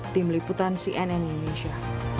tim liputan cnn indonesia